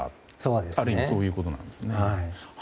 ある意味そういうことなんですね。